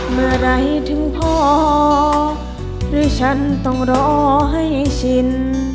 เมื่อไหร่ถึงพอหรือฉันต้องรอให้ชิน